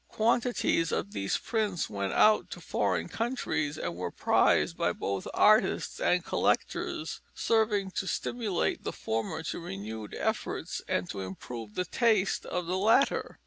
Quantities of these prints went out to foreign countries and were prized by both artists and collectors, serving to stimulate the former to renewed efforts and to improve the taste of the latter.